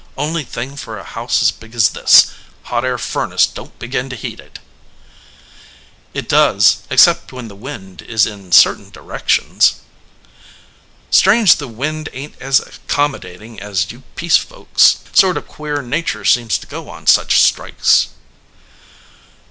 Only thing for a house as big as this. Hot air furnace don t begin to heat it." "It does, except when the wind is in certain directions." "Strange the wind ain t as accommodating as you peace folks. Sort of queer nature seems to go on such strikes."